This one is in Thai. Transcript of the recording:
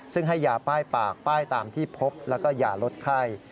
ซึ่งให้ยาป้ายปากป้ายตามที่พบแล้วก็ยาลดไข้